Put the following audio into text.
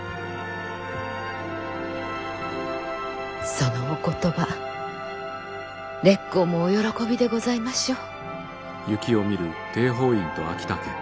そのお言葉烈公もお喜びでございましょう。